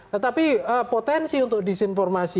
tetapi potensi untuk disinformasi